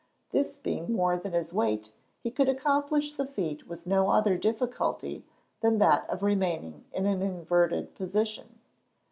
this being more than his weight he could accomplish the feat with no other difficulty than that of remaining in an inverted position.